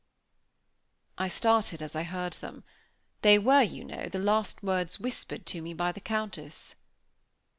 "_ I started as I heard them. They were, you know, the last words whispered to me by the Countess.